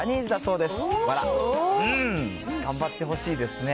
うーん、頑張ってほしいですね。